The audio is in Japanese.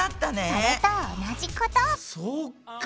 それと同じことそっか！